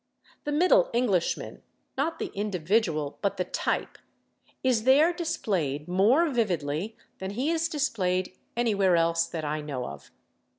The middle Englishman—not the individual, but the type—is there displayed more vividly than he is displayed anywhere else that I know of.